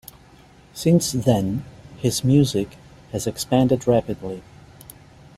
Since then his music has expanded rapidly.